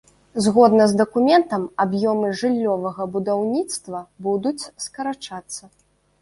Згодна з дакументам, аб'ёмы жыллёвага будаўніцтва будуць скарачацца.